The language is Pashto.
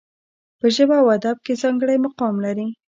په ژبه او ادب کې ځانګړی مقام لري.